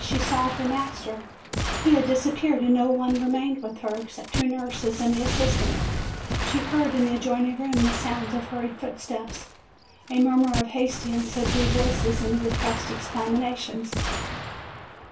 She sought her master; he FROM APENNINES TO THE ANDES 293 had disappeared. No one remained with her except the two nurses and the assistant. She heard in the adjoining room the sound of hurried footsteps, a murmur of hasty and subdued voices, and repressed exclamations.